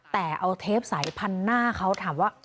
แต่เอาเทปใสพันหน้าเขาถามว่า